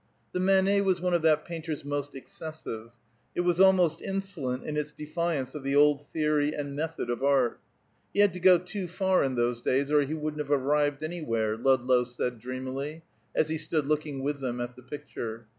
The Manet was one of that painter's most excessive; it was almost insolent in its defiance of the old theory and method of art. "He had to go too far, in those days, or he wouldn't have arrived anywhere," Ludlow said, dreamily, as he stood looking with them at the picture.